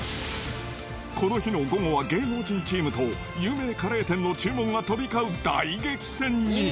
この日の午後は、芸能人チームと有名カレー店の注文が飛び交う大激戦に。